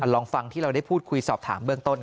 ลองฟังที่เราได้พูดคุยสอบถามเบื้องต้น